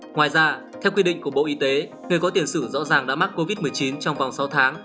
ngoài ra theo quy định của bộ y tế người có tiền sử rõ ràng đã mắc covid một mươi chín trong vòng sáu tháng